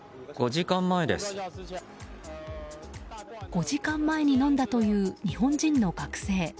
５時間前に飲んだという日本人の学生。